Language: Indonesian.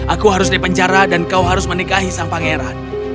aku harus dipenjara dan kau harus menikahi sang pangeran